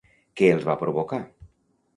Què els va provocar?